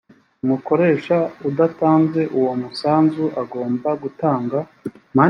umukoresha udatanze uwo musanzu agomba gutanga